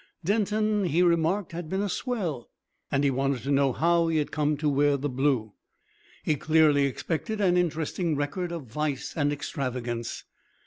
Denton, he remarked, had been a swell, and he wanted to know how he had come to wear the blue. He clearly expected an interesting record of vice and extravagance.